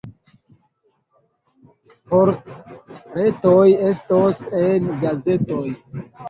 Portretoj estos en gazetoj.